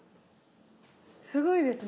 すごいですね。